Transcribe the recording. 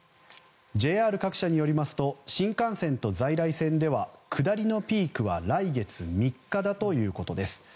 ＪＲ各社によりますと新幹線と在来線では下りのピークは来月３日だということです。